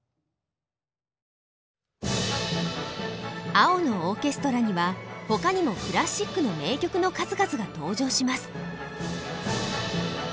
「青のオーケストラ」には他にもクラシックの名曲の数々が登場します。